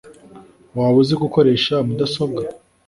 waba uzi gukoresha mudasobwa